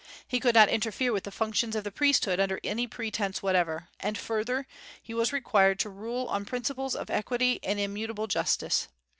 He could not interfere with the functions of the priesthood under any pretence whatever; and further, he was required to rule on principles of equity and immutable justice.